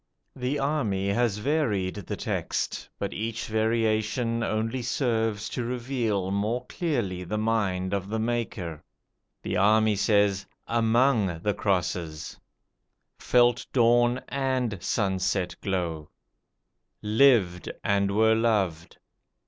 The army has varied the text; but each variation only serves to reveal more clearly the mind of the maker. The army says, "AMONG the crosses"; "felt dawn AND sunset glow"; "LIVED and were loved".